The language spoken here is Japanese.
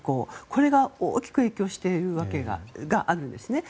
これが大きく影響している訳があるんです。